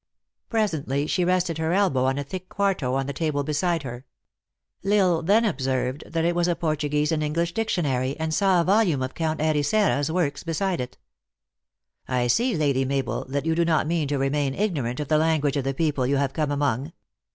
Presently she rested her elbow on a thick quarto on the table beside her. L Isle then observed that it was a Portuguese and English dictionary, and saw a vol ume of Count Ericeira s works beside it. " I see, Lady Mabel, that you do not mean to re main ignorant of the language of the people you have come among."